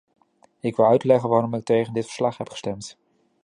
Ik wil uitleggen waarom ik tegen dit verslag heb gestemd.